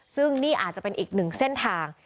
ซึ่งนี่อาจจะเป็นอีกหนึ่งเส้นทาง